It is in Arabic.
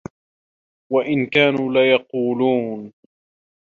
وَإِن كانوا لَيَقولونَ